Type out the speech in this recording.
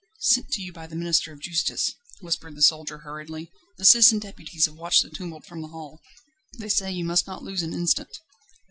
"Sent to you by the Minister of Justice," whispered the soldier hurriedly. "The citizen deputies have watched the tumult from the Hall; they say, you must not lose an instant."